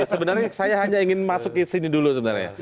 sebenarnya saya hanya ingin masuk ke sini dulu sebenarnya